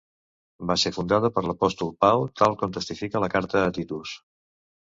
Va ser fundada per l'apòstol Pau, tal com testifica la carta a Titus.